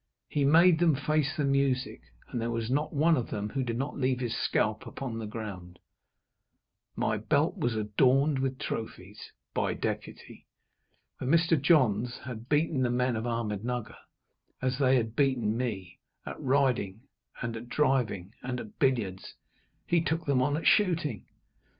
He made them face the music, and there was not one of them who did not leave his scalp upon the ground. My belt was adorned with trophies by deputy. When Mr. Johns had beaten the men of Ahmednugger as they had beaten me at riding, and at driving, and at billiards, he took them on at shooting.